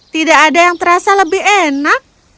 tidak ada yang terasa lebih enak